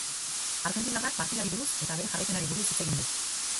Argentinarrak partidari buruz eta bere jarraipenari buruz hitz egin du.